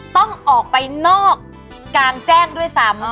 ต้องออกไปนอกกลางแจ้งด้วยซ้ำ